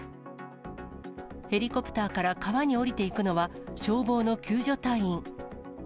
ヘリコプターから川に降りていくのは、消防の救助隊員。